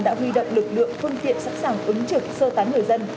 đã huy động lực lượng phương tiện sẵn sàng ứng trực sơ tán người dân